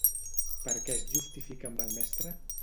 Per què es justifica amb el mestre?